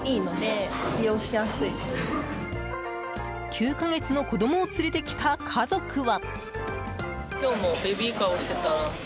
９か月の子供を連れてきた家族は。